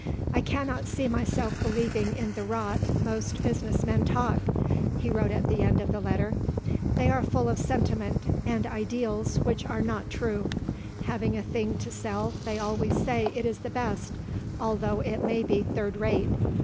"I cannot see myself believing in the rot most business men talk," he wrote at the end of the letter. "They are full of sentiment and ideals which are not true. Having a thing to sell they always say it is the best, although it may be third rate.